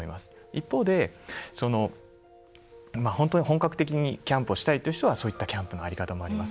一方で本格的にキャンプをしたい人はそういったキャンプの在り方もあります。